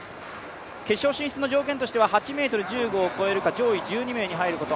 決勝進出の条件としては８ｍ１５を超えるか、上位１２名に入ること。